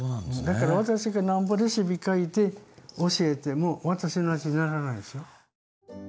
だから私がなんぼレシピ書いて教えても私の味にならないですよ。